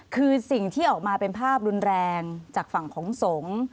คือสิ่งที่ออกมาเป็นภาพรุนแรงจากฝั่งของสงฆ์